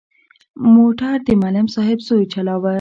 موټر د معلم صاحب زوی چلاوه.